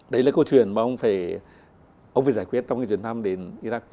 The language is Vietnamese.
đấy là câu chuyện mà ông phải giải quyết trong cái truyền thăm đến iraq vừa rồi